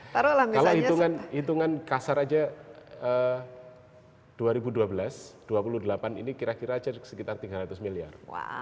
kalau hitungan kasar aja dua ribu dua belas dua puluh delapan ini kira kira sekitar tiga ratus miliar